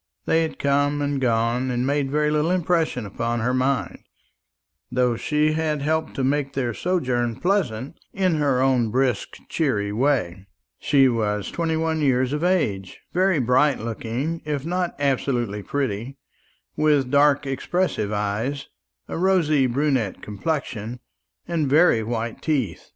They had come and gone, and made very little impression upon her mind, though she had helped to make their sojourn pleasant in her own brisk cheery way. She was twenty one years of age, very bright looking, if not absolutely pretty, with dark expressive eyes, a rosy brunette complexion, and very white teeth.